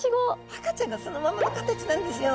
赤ちゃんがそのままの形なんですよ。